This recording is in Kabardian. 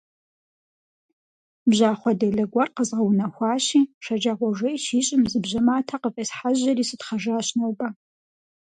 Бжьахъуэ делэ гуэр къэзгъэунэхуащи, шэджагъуэ жей щищӀым зы бжьэ матэ къыфӀесхьэжьэри сытхъэжащ нобэ.